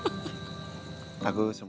ini kamar mama sama